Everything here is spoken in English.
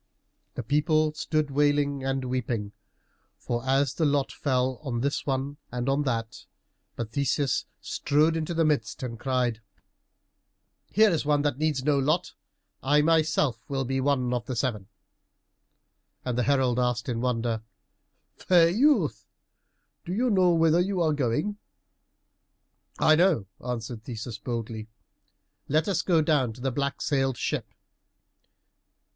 The people stood wailing and weeping as the lot fell on this one and on that, but Theseus strode into the midst and cried, "Here is one who needs no lot. I myself will be one of the seven." And the herald asked in wonder, "Fair youth, do you know whither you are going?" "I know," answered Theseus boldly; "let us go down to the black sailed ship."